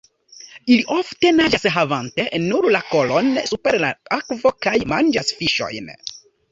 Ili ofte naĝas havante nur la kolon super la akvo kaj manĝas fiŝojn.